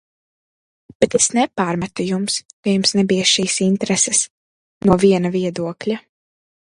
Bet es nepārmetu jums, ka jums nebija šīs intereses, no viena viedokļa.